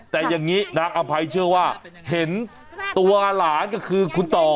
แต่อย่างนี้นางอภัยเชื่อว่าเห็นตัวหลานก็คือคุณต่อ